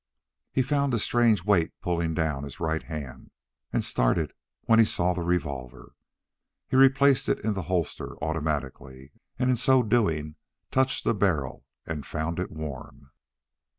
He found a strange weight pulling down his right hand, and started when he saw the revolver. He replaced it in the holster automatically, and in so doing touched the barrel and found it warm.